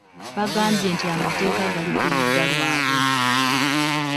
Bagambye nti amateeka gali ku ludda lwabwe.